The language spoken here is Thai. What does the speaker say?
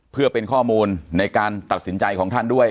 เพื่อเป็นข้อมูลในการตัดสินใจของท่านด้วย